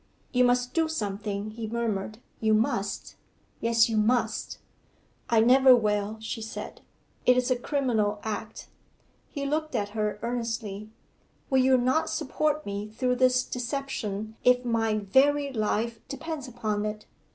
'You must do something,' he murmured. 'You must. Yes, you must.' 'I never will,' she said. 'It is a criminal act.' He looked at her earnestly. 'Will you not support me through this deception if my very life depends upon it?